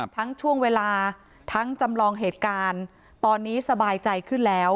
ช่วงเวลาทั้งจำลองเหตุการณ์ตอนนี้สบายใจขึ้นแล้ว